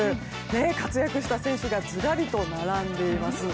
活躍した選手がずらりと並んでいます。